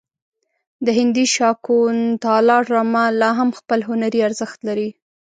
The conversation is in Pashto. د هندي شاکونتالا ډرامه لا هم خپل هنري ارزښت لري.